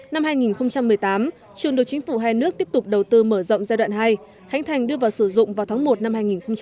năm hai nghìn một mươi tám trường được chính phủ hai nước tiếp tục đầu tư mở rộng giai đoạn hai hãnh thành đưa vào sử dụng vào tháng một năm hai nghìn một mươi chín